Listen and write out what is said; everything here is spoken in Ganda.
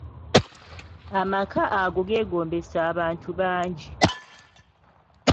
Amaka ago geegombesa abantu bangi.